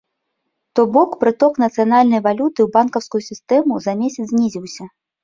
То бок прыток нацыянальнай валюты ў банкаўскую сістэму за месяц знізіўся.